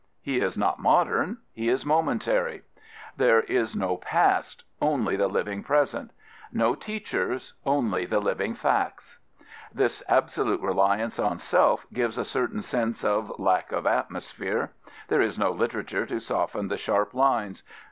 He is not modern: he is momentary. There is no past: only the living present; no teachers: only the living facts. This absolute reliance on self gives a certain sense of lack of atmosphere. There is no literature to soften the sharp lines.